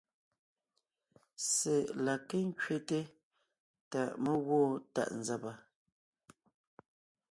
Ssé la ké ńkẅéte ta mé gwoon tàʼ nzàba.